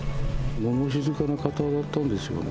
もの静かな方だったんですよね。